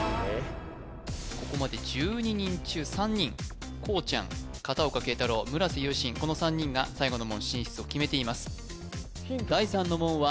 ここまで１２人中３人こうちゃん片岡桂太郎村瀬勇信この３人が最後の門進出を決めていますヒントは？